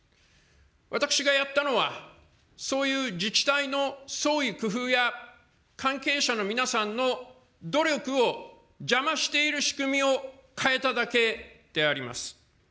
私がやったのは、そういう自治体の創意工夫や関係者の皆さんの努力を邪魔している仕組みを変えただけであります。